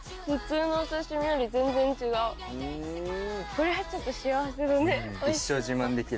これはちょっと幸せだね。